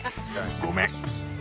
ごめん。